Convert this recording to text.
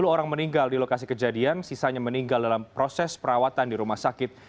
sepuluh orang meninggal di lokasi kejadian sisanya meninggal dalam proses perawatan di rumah sakit